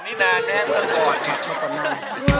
มาก่อนหน้า